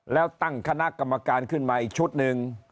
แล้วตั้งคณะกรรมการขึ้นมาอีกชุดหนึ่ง